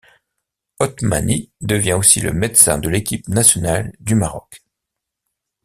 Othmani devient aussi le médecin de l’équipe nationale du Maroc.